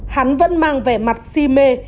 hắn vẫn mang vẻ mặt si mê